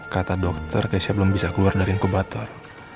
kata dokter kayaknya belum bisa keluar dari inkubator